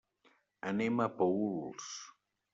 Anem a Paüls.